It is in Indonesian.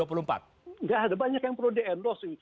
enggak ada banyak yang perlu di endorse